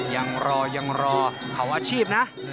ยังรอยังรอเขาอาชีพนะ